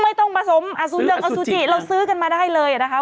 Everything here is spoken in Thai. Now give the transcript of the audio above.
ไม่ต้องผสมอสุงอสุจิเราซื้อกันมาได้เลยนะคะ